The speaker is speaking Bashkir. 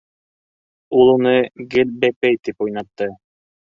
Ул уны гел бәпәй итеп уйнатты.